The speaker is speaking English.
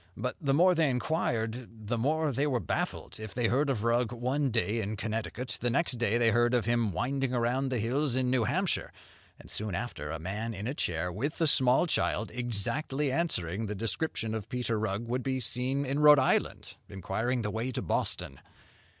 But the more they inquired, the more they were baffled. If they heard of Rugg one day in Connecticut, the next day they heard of him winding around the hills in New Hampshire; and soon after, a man in a chair, with a small child, exactly answering the description of Peter Rugg, would be seen in Rhode Island, inquiring the way to Boston.